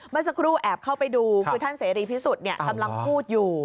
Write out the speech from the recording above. เมื่อสักครู่แอบเข้าไปดูคือท่านเสรีพิสุทธิ์กำลังพูดอยู่